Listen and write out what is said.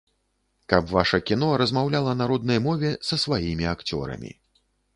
Каб ваша кіно размаўляла на роднай мове, са сваімі акцёрамі.